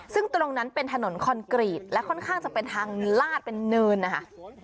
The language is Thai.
ซึ่งตรงนั้นเป็นถนนคอนกรีตและค่อนข้างจะเป็นทางลาดเป็นเนินนะคะ